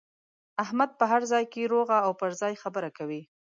احمد په هر ځای کې روغه او پر ځای خبره کوي.